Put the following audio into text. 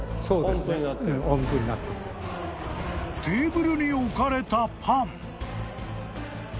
［テーブルに置かれたパン］